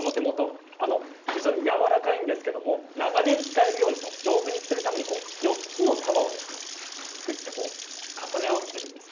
非常にやわらかいんですが長年使えるように丈夫にするため４つの束を重ね合わせていきます。